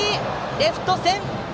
レフト線！